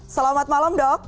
selamat malam dok